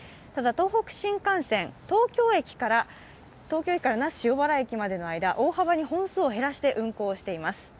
ただ、東北新幹線、東京駅から那須塩原駅までの間、大幅に本数を減らして運行しています。